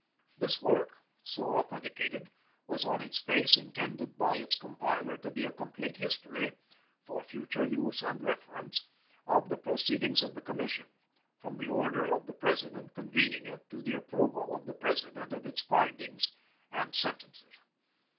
This work, so authenticated, was on its face intended by its compiler to be a complete history "for future use and reference" of the proceedings of the Commission, from the order of the President convening it to the approval of the President of its findings and sentences.